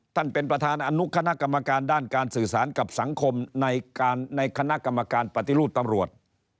ท่านประธานเป็นประธานอนุคณะกรรมการด้านการสื่อสารกับสังคมในคณะกรรมการปฏิรูปตำรวจ